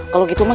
kalau gitu mas